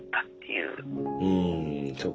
うんそっか。